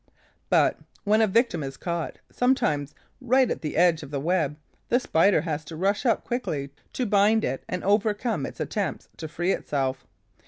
But, when a victim is caught, sometimes right at the edge of the web, the Spider has to rush up quickly, to bind it and overcome its attempts to free itself.